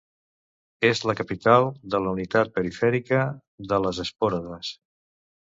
És la capital de la unitat perifèrica de les Espòrades.